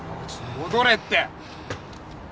戻れって！